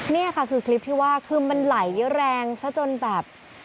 นี่ค่ะคือคลิปที่ว่าคือมันไหลแรงซะจนแบบ